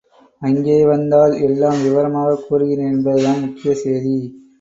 அங்கே வந்தால் எல்லாம் விவரமாகக் கூறுகிறேன் என்பதுதான் முக்கிய சேதி.